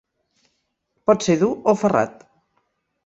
Pot ser dur o ferrat.